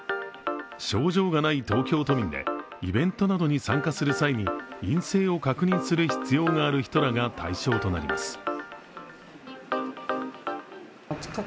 症状がない東京都民でイベントなどに参加する際に陰性を確認する必要がある人らが対象となります。